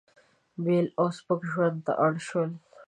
بېل او سپک ژوند ته اړ شول.